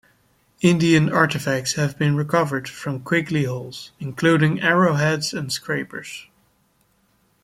Indian artifacts have been recovered from quiggly holes including arrowheads and scrapers.